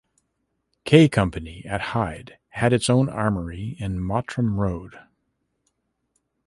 K Company at Hyde had its own armoury in Mottram Road.